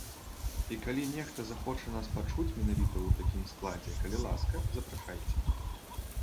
І калі нехта захоча нас пачуць менавіта ў такім складзе, калі ласка, запрашайце.